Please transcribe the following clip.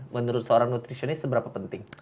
menurut seorang nutritionist seberapa penting